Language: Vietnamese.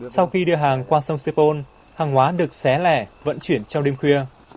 sau khi đưa hàng qua sông sepol hàng hóa được xé lẻ vận chuyển trong đêm khuya